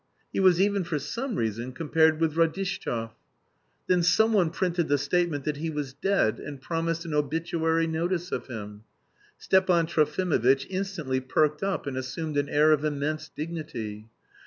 He was even for some reason compared with Radishtchev. Then someone printed the statement that he was dead and promised an obituary notice of him. Stepan Trofimovitch instantly perked up and assumed an air of immense dignity.